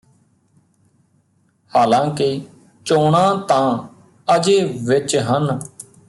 ਹਾਲਾਂਕਿ ਚੋਣਾਂ ਤਾਂ ਅਜੇ ਵਿੱਚ ਹਨ